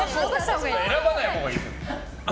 選ばないほうがいいよ。